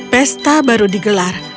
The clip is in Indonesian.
pesta baru digelar